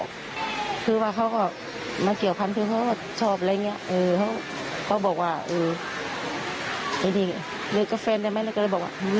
เขาก็บอกว่าเออเลือกกับเฟรนด์ได้ไหมแล้วก็เลยบอกว่า